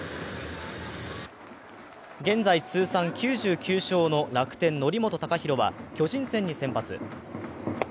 現在、通算９９勝の楽天・則本昂大は巨人戦に先発。